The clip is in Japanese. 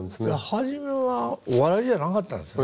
初めはお笑いじゃなかったんですね。